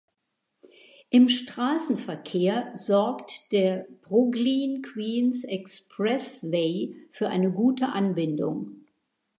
Im Straßenverkehr sorgt der Brooklyn–Queens Expressway für eine gute Anbindung.